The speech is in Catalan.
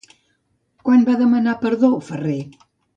Quan va demanar perdó Ferrer?